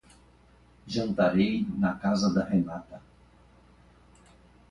Jantarei na casa da Renata.